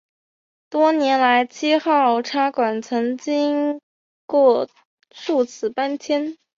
多年来七号差馆曾经过数次搬迁。